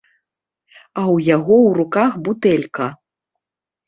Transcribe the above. А ў яго ў руках бутэлька.